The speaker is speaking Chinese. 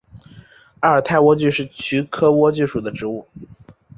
阿尔泰莴苣是菊科莴苣属的植物。